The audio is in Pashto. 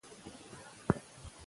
د ماشوم د سترګو تمرين په لوبو وکړئ.